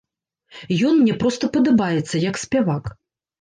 Ён мне проста падабаецца як спявак.